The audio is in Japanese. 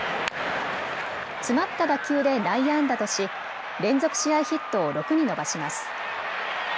詰まった打球で内野安打とし、連続試合ヒットを６に伸ばします。